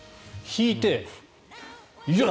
引いて。